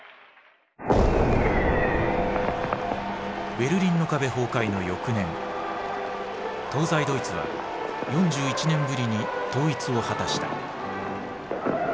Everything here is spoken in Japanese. ベルリンの壁崩壊の翌年東西ドイツは４１年ぶりに統一を果たした。